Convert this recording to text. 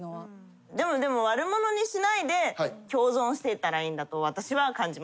でもでも悪者にしないで共存していったらいいんだと私は感じました。